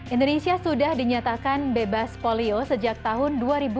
indonesia sudah dinyatakan bebas polio sejak tahun dua ribu dua